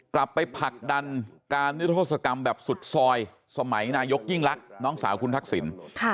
กลับไปผลักดันการนิทธศกรรมแบบสุดซอยสมัยนายกยิ่งรักน้องสาวคุณทักษิณ